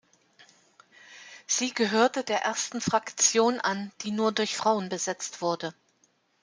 Sie gehörte der ersten Fraktion an, die nur durch Frauen besetzt wurde.